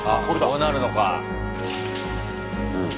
こうなるのか。